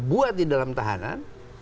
buat di dalam tahanan